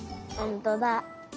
ほんとだ。